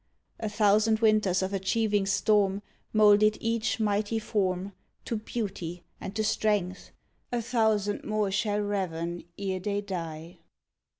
A thousand winters of achieving storm Moulded each mighty form AN AL^JR OF "THE WEST To beauty and to strength : A thousand more shall raven ere they die.